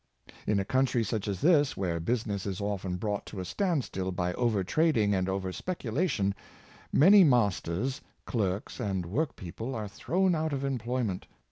In a country such as this, where business is often brought to a stand still by overtrading and overspecu lation, many masters, clerks, and work people are thrown out of employment.